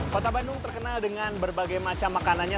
kota bandung terkenal dengan berbagai macam makanannya